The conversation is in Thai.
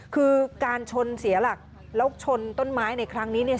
คือการชนเสียหลักแล้วชนต้นไม้ในครั้งนี้เนี่ย